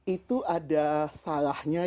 itu ada salahnya